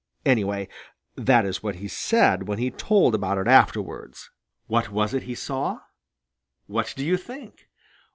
Anyway, that is what he said when he told about it afterward. What was it he saw? What do you think?